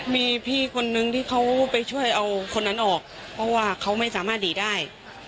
มีพี่คนนึงที่เขาไปช่วยเอาคนนั้นออกเพราะว่าเขาไม่สามารถดีได้